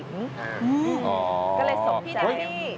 อ๋อก็เลยส่งพี่เดบบี้